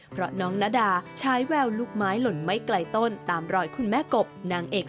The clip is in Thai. เพราะน้องนาดาใช้แววลูกไม้หล่นไม่ไกลต้นตามรอยคุณแม่กบนางเอก